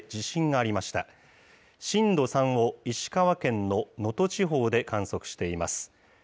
震度３を石川県の能登地方で観測しています。